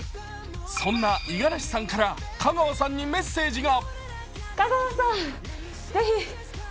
そんな五十嵐さんから香川さんにメッセージが。